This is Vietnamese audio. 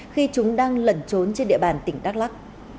khi chúng đang lẩn trốn trên địa bàn tỉnh đắk lắc